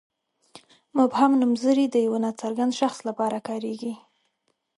مبهم نومځري د یوه ناڅرګند شخص لپاره کاریږي.